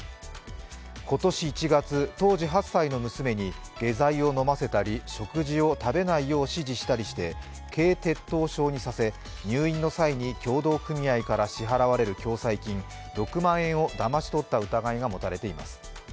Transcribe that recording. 今年１月、当時８歳の娘に下剤を飲ませたり食事を食べないように指示したりして低血糖症にさせ、入院の際に協同組合から支払われる共済金６万円をだまし取った疑いが持たれています。